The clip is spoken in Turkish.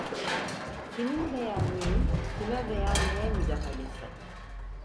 Kimin veya neyin, kime veya neye müdahalesi?